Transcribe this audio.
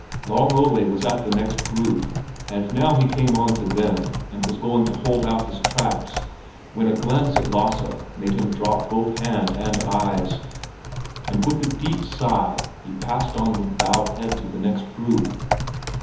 Long Ole was at the next group, and now he came on to them and was going to hold out his tracts, when a glance at Lasse made him drop both hand and eyes; and with a deep sigh he passed on with bowed head to the next group.